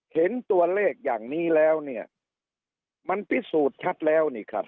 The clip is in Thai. เห็นตัวเลขอย่างนี้แล้วเนี่ยมันพิสูจน์ชัดแล้วนี่ครับ